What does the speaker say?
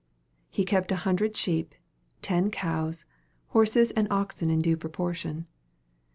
He kept a hundred sheep, ten cows, horses and oxen in due proportion.